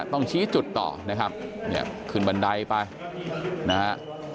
ต้องชี้จุดต่อนะครับเนี่ยขึ้นบันไดไปนะฮะ